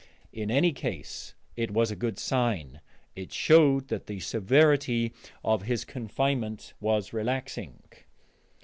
In any case, it was a good sign: it showed that the severity of his confinement was relaxing.